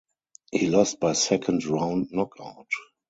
He lost by second-round knockout.